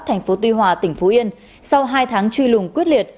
thành phố tuy hòa tỉnh phú yên sau hai tháng truy lùng quyết liệt